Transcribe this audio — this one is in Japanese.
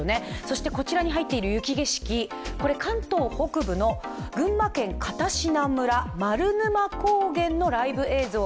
そしてこちらに入っている雪景色、これ、関東北部の群馬県片品村丸沼高原のライブ映像。